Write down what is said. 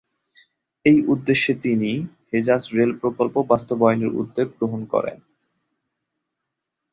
এই উদ্দেশ্যে তিনি হেজাজ রেল প্রকল্প বাস্তবায়নের উদ্যোগ গ্রহণ করেন।